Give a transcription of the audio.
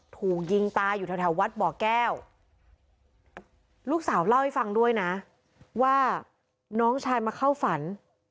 ถูกยิงตายอยู่แถววัดบ่อแก้วลูกสาวเล่าให้ฟังด้วยนะว่าน้องชายมาเข้าฝัน